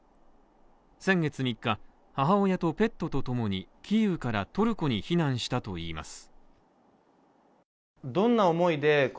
先月３日、母親とペットとともにキーウからトルコに避難したといいます。